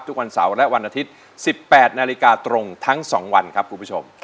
ทุกวันเสาร์และวันอาทิตย์๑๘นาฬิกาตรงทั้ง๒วันครับคุณผู้ชม